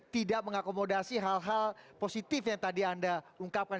tidak mengakomodasi hal hal positif yang tadi anda ungkapkan